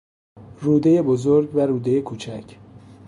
رودهی بزرگ و رودهی کوچک